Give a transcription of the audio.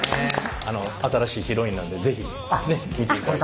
あの新しいヒロインなんで是非ね見ていただいて。